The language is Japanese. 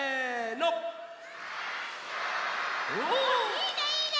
いいねいいね！